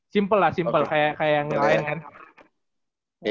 simple lah simpel kayak yang lain kan